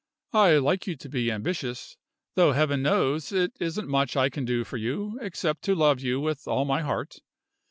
I like you to be ambitious though Heaven knows it isn't much I can do for you, except to love you with all my heart.